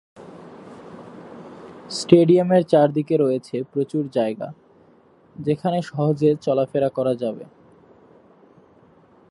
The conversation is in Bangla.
স্টেডিয়ামের চারদিকে রয়েছে প্রচুর জায়গা যেখানে সহজে চলাফেরা করা যাবে।